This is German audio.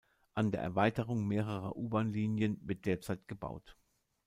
An der Erweiterung mehrerer U-Bahnlinien wird derzeit gebaut.